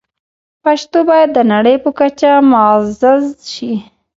پښتو باید د نړۍ په کچه معزز شي.